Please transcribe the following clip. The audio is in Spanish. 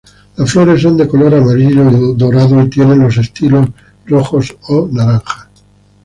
Las flores son de color amarillo dorado y tienen los estilos rojos o naranjas.